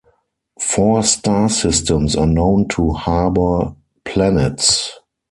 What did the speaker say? Four star systems are known to harbour planets.